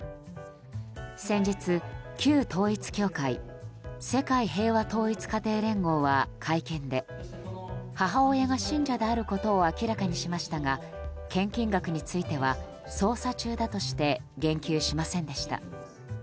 先日、旧統一教会世界平和統一家庭連合は会見で、母親が信者であることを明らかにしましたが献金額については捜査中だとして言及しませんでした。